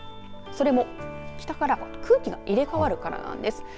それも北からは空気が入れ替わるからなんです。